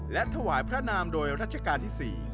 และถวายพระนามโดยรัชกาลที่๔